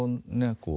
こう